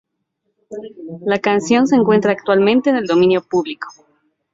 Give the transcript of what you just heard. La canción se encuentra actualmente en dominio público.